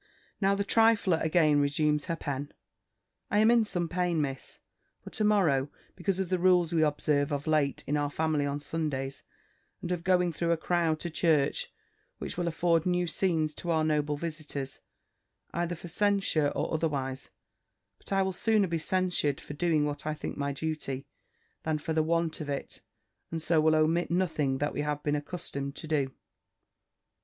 Now the trifler again resumes her pen. I am in some pain, Miss, for to morrow, because of the rules we observe of late in our family on Sundays, and of going through a crowd to church; which will afford new scenes to our noble visitors, either for censure or otherwise: but I will sooner be censured for doing what I think my duty, than for the want of it; and so will omit nothing that we have been accustomed to do.